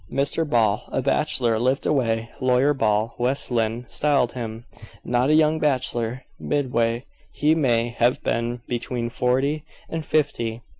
Mr. Ball, a bachelor, lived away; Lawyer Ball, West Lynne styled him. Not a young bachelor; midway, he may have been between forty and fifty.